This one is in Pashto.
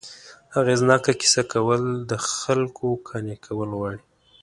اغېزناکه کیسه کول، د خلکو قانع کول غواړي.